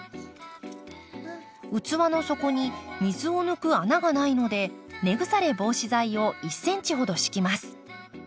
器の底に水を抜く穴がないので根腐れ防止剤を１ｃｍほど敷きます。